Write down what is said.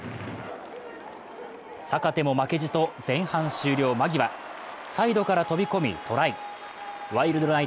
坂手も負けじと前半終了間際、サイドから飛び込みトライ。